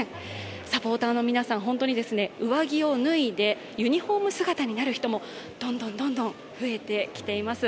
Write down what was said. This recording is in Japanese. サポーターの皆さん、本当に上着を脱いでユニフォーム姿になる人もどんどん増えてきています。